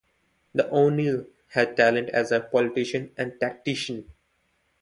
The O'Neill had talent as a politician and tactician.